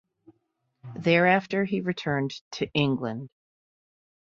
Thereafter, he returned to England.